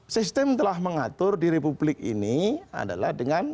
sistem telah mengatur di republik ini adalah dengan